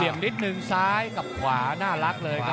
มันมีรายการมวยนัดใหญ่อยู่นัดอยู่นะ